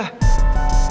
kasian banget rifki